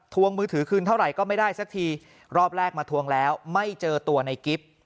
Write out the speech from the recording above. มือถือคืนเท่าไหร่ก็ไม่ได้สักทีรอบแรกมาทวงแล้วไม่เจอตัวในกิฟต์